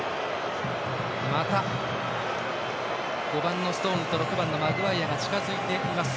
また５番、ストーンズと６番、マグワイアが近づいています。